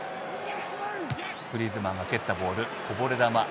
グリーズマンが蹴ったボールこぼれ球